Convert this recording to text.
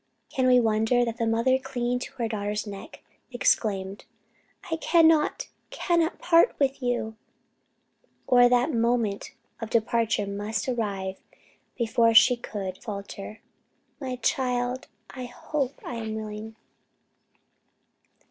Can we wonder that the mother clinging to her daughter's neck, exclaimed, "I cannot, cannot part with you!" or that the moment of departure must arrive, before she could falter, "My child, I hope I am willing?"